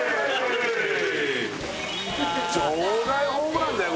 場外ホームランだよ